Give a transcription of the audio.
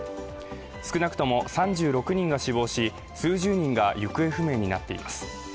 少なくとも３６人が死亡し、数十人が行方不明になっています。